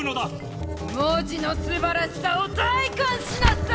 文字のすばらしさを体かんしなさい！